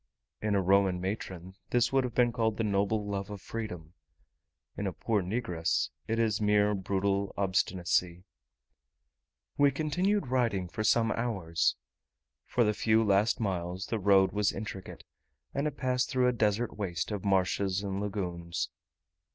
In a Roman matron this would have been called the noble love of freedom: in a poor negress it is mere brutal obstinacy. We continued riding for some hours. For the few last miles the road was intricate, and it passed through a desert waste of marshes and lagoons.